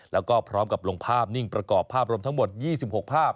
แล้วก็พร้อมกับลงภาพนิ่งประกอบภาพรวมทั้งหมด๒๖ภาพ